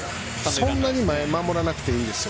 そんなに前、守らなくていいです。